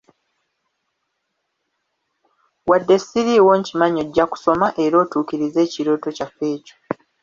Wadde ssiriiwo nkimanyi ojja kusoma era otuukirize ekirooto kyaffe ekyo.